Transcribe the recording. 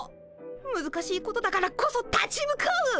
むずかしいことだからこそ立ち向かう。